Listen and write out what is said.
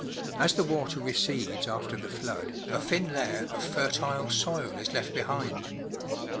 As the water recedes after the flood, a thin layer of fertile soil is left behind.